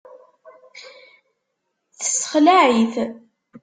Tessexlaε-it.